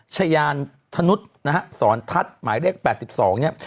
ชะยานธนุษย์สอนทัศน์หมายเลข๘๒